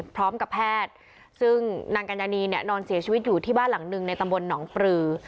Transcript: พร้อมกับแพทย์ซึ่งนางกัญญานีเนี่ยนอนเสียชีวิตอยู่ที่บ้านหลังหนึ่งในตำบลหนองปลือ